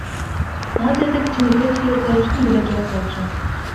Ал жерде кичинекей чыйырда эч ким деле жок болчу.